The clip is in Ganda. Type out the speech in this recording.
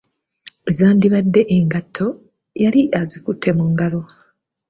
Ezandibadde engatto yali azikutte mu ngalo.